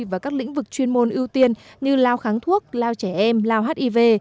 và các lĩnh vực chuyên môn ưu tiên như lao kháng thuốc lao trẻ em lao hiv